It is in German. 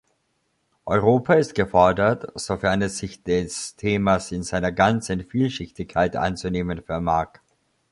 Europa ist gefordert, sofern es sich des Themas in seiner ganzen Vielschichtigkeit anzunehmen vermag.